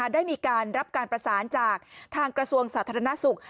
ได้มีการรับการประสานจากทางกระทรวงสาธารณสุข